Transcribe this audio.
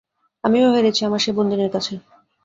আমিও হেরেছি আমার সেই বন্দিনীর কাছে।